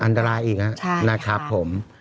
อันตรายอีกนะครับผม